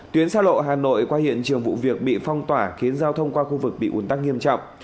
tuyến xa lộ hà nội qua hiện trường vụ việc bị phong tỏa khiến giao thông qua khu vực bị ủn tắc nghiêm trọng